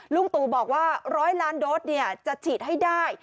ลุงตู่บอกว่า๑๐๐ล้านโดสจะฉีดให้ได้